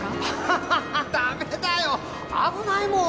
ハハハダメだよ危ないもん。